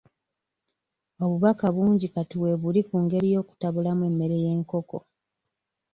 Obubaka bungi kati weebuli ku ngeri y'okutabulamu emmere y'enkoko.